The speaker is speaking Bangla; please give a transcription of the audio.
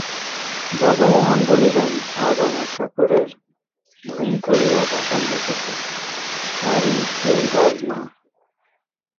জগমোহন বলিলেন, আজ আমার ঠাকুরের ধুম করিয়া ভাসান হইতেছে, তারই এই বাজনা।